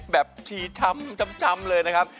แบบชีช้ำเลยนะครับ